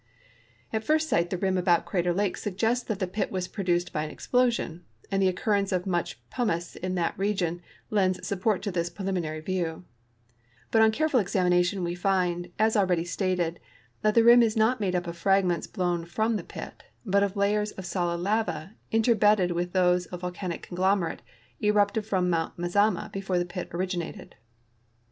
At first sight the rim about Crater lake suggests that the pit was ))roduced by an exjjlosion, and the occurrence of much l)umice in that region lends support to this i)reliminary view ; but on careful examination we find, as already stated, that the rim is not made up of fragments blown from the pit, but of layers of solid lava interbedded with those of volcanic conglomerate erui)ted from Mount Mazama before the i)it originated.